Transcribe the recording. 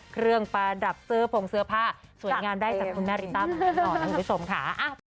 เครื่องปราดับเจ๋อพงศ์เสื้อผ้าสวยงามได้ด้วยสนท่า